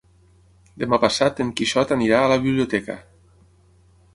Demà passat en Quixot anirà a la biblioteca.